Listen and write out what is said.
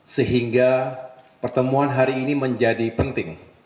sehingga pertemuan hari ini menjadi penting